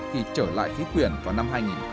khi trở lại khí quyển vào năm hai nghìn ba